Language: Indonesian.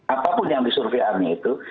apapun yang disurvei hari ini itu